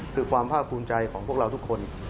คือความภาคภูมิใจของพวกเราทุกคน